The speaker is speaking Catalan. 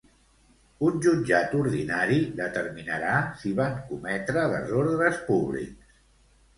Un jutjat ordinari determinarà si van cometre desordres públics.